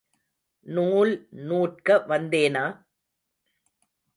நூல் நூற்க வந்தேனா?